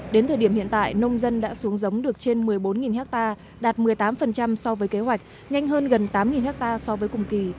đến thời điểm hiện tại nông dân đã xuống giống được trên một mươi bốn ha đạt một mươi tám so với kế hoạch nhanh hơn gần tám ha so với cùng kỳ